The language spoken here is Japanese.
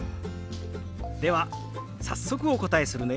では早速お答えするね。